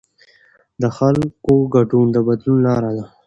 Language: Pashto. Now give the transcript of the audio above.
د خلکو ګډون د بدلون لاره ده